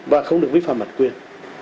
và không được vi phạm bản quyền